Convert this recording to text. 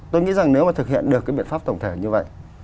tôi nghĩ rằng nếu mà thực hiện được cái biện pháp tổng thể như vậy